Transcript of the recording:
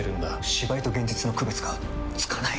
芝居と現実の区別がつかない！